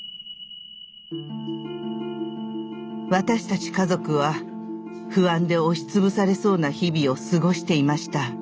私たち家族は不安で押し潰されそうな日々を過ごしていました。